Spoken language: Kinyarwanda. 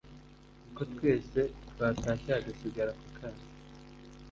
Kotwese twatashye hagasigara ako kana.